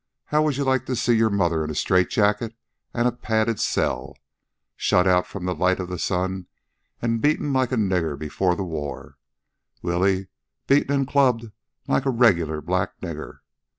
How will you like to see your mother in a straitjacket an' a padded cell, shut out from the light of the sun an' beaten like a nigger before the war, Willie, beaten an' clubbed like a regular black nigger?